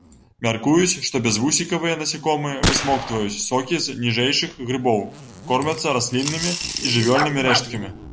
Мяркуюць, што бязвусікавыя насякомыя высмоктваюць сокі з ніжэйшых грыбоў, кормяцца расліннымі і жывёльнымі рэшткамі.